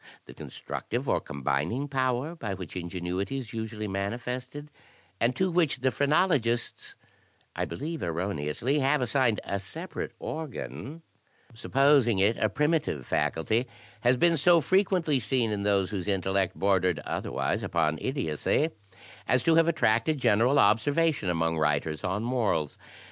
The constructive or combining power, by which ingenuity is usually manifested, and to which the phrenolo gists (I believe erroneously) have assigned a separate organ, 94 THE TECHNIQUE OF THE MYSTERY STORY supposing it a primitive faculty, has been so frequently seen in those whose intellect bordered otherwise upon idiocy, as to have attracted general observation among writers on morals.